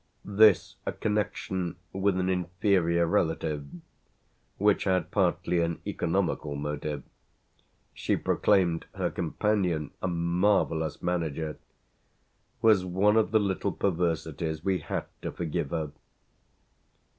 This connection with an inferior relative, which had partly an economical motive she proclaimed her companion a marvellous manager was one of the little perversities we had to forgive her.